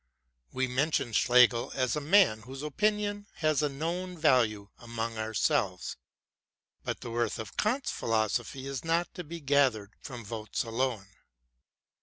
We mention Schlegel as a man whose opinion has a known value among ourselves. But the worth of Kant's Philosophy is not to be gathered from votes alone.